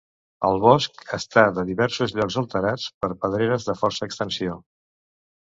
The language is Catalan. El bosc està de diversos llocs alterats per pedreres de força extensió.